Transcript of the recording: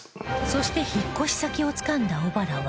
そして引っ越し先をつかんだ小原は